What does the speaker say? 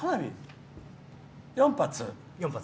４発。